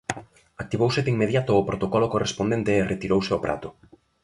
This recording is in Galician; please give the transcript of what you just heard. Activouse de inmediato o protocolo correspondente e retirouse o prato.